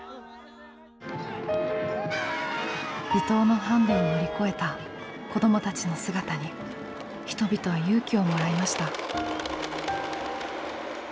離島のハンデを乗り越えた子どもたちの姿に人々は勇気をもらいました。